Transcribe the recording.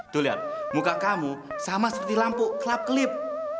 tuh lihat muka kamu sama seperti lampu gelap klip